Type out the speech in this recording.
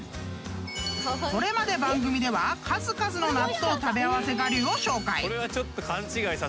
［これまで番組では数々の納豆食べ合わせ我流を紹介］